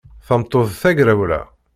Tameṭṭut d tagrawla.